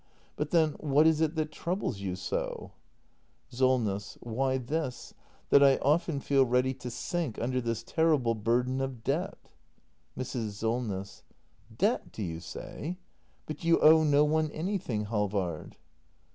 But then what is it that troubles you so ? Solness. Why this, that I often feel ready to sink under this terrible burden of debt Mrs. Solness. Debt, do you say? But you owe no one anything, Halvard